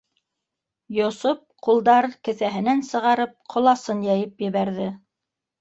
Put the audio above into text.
— Йосоп, ҡулдарын кеҫәһенән сығарып, ҡоласын йәйеп ебәрҙе.